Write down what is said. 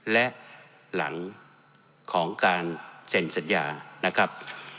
และหลังของการเซ็นสัญญานะครับ